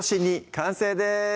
完成です